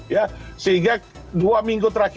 ya sehingga dua minggu terakhir